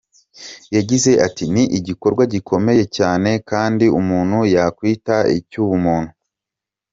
Yagize ati “Ni igikorwa gikomeye cyane kandi umuntu yakwita icy’ubumuntu.